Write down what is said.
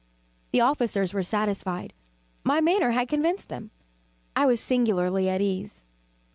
The officers were satisfied. My manner had convinced them. I was singularly at ease.